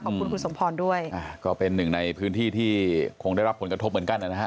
ขอบคุณคุณสมพรด้วยอ่าก็เป็นหนึ่งในพื้นที่ที่คงได้รับผลกระทบเหมือนกันนะฮะ